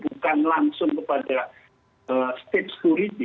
bukan langsung kepada state security